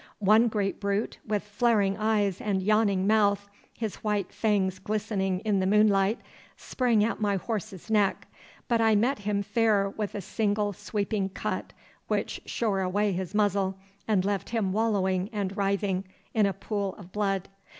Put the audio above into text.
One great brute, with flaring eyes and yawning mouth, his white fangs glistening in the moonlight, sprang at my horse's neck; but I met him fair with a single sweeping cut, which shore away his muzzle, and left him wallowing and writhing in a pool of blood.